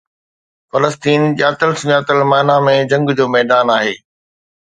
فلسطين ڄاتل سڃاتل معنى ۾ جنگ جو ميدان آهي.